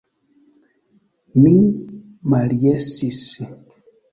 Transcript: Mi maljesis.